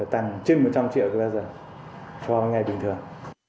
tăng trên một trăm linh triệu kwh cho ngày bình thường